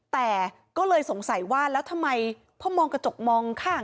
แต่ก็เลยสงสัยว่าแล้วทำไมพ่อมองกระจกมองข้าง